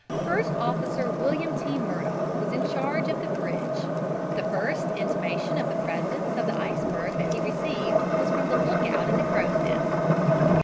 First Officer William T. Murdock was in charge of the bridge The first intimation of the presence of the iceberg that he received was from the lookout in the crow's nest.